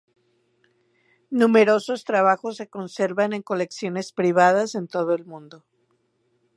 Numerosos trabajos se conservan en colecciones privadas en todo el mundo.